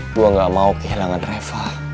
gue gak mau kehilangan reva